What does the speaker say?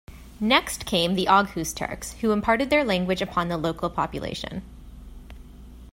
Next came the Oghuz Turks, who imparted their language upon the local population.